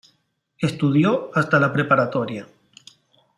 Estudió hasta la preparatoria.